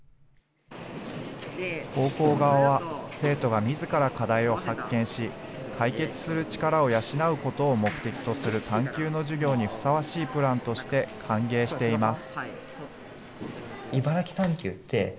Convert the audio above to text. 高校側は、生徒がみずから課題を発見し、解決する力を養うことを目的とする探究の授業にふさわしいプランとして歓迎しています。